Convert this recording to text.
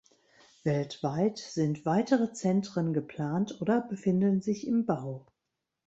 Weltweit sind weitere Zentren geplant oder befinden sich im Bau.